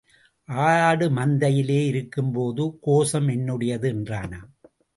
ஆடு மந்தையிலே இருக்கும்போதே கோசம் என்னுடையது என்றானாம்.